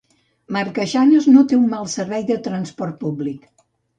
Marqueixanes no té un mal servei de transport públic.